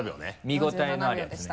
見応えのあるやつね。